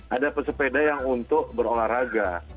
ada pesepeda yang untuk berolahraga